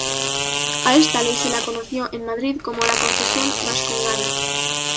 A esta ley se la conoció en Madrid como la Concesión vascongada.